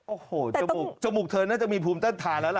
โอ้โหจมูกจมูกเธอน่าจะมีภูมิต้านทานแล้วล่ะ